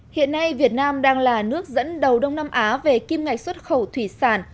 hiện nay việt nam đang là nước dẫn đầu đông nam á về kim ngạch xuất khẩu thủy sản